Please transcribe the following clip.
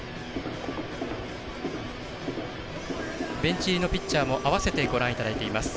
ベンチ入りのピッチャーも合わせてご覧いただいています。